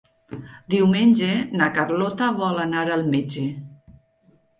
Diumenge na Carlota vol anar al metge.